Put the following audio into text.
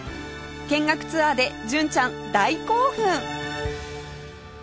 見学ツアーで純ちゃん大興奮！